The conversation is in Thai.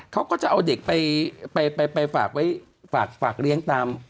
เขาก็จะเอาเด็กไปฝากเลี้ยงตาม